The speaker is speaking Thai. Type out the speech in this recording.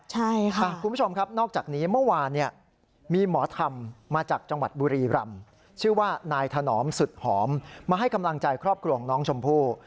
ใช่ค่ะคุณผู้ชมครับนอกจากนี้เมื่อวานมีหมอธรรมมาจากจังหวัดบุรีรำชื่อว่านายถนอมสุดหอมมาให้กำลังใจครอบครัวของน้องชมพู่